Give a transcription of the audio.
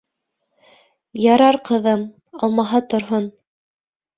— Ярар, ҡыҙым, алмаһа, торһон.